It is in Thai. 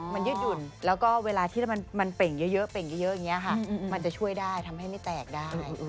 มันยืดหยุ่นแล้วก็เวลาที่มันเป่งเยอะเป่งเยอะอย่างนี้ค่ะมันจะช่วยได้ทำให้ไม่แตกได้